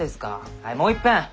はいもういっぺん！